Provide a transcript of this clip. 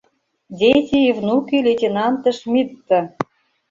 Дети и внуки лейтенанта Шмидта!..